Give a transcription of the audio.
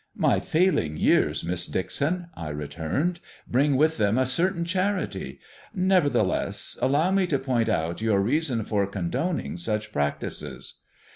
"My failing years, Miss Dixon," I returned, "bring with them a certain charity; nevertheless, allow me to point out your reason for condoning such practices."